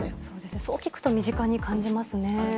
そう聞くと身近に感じますよね。